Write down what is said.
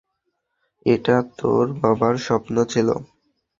এটা তোর বাবার স্বপ্ন ছিলো।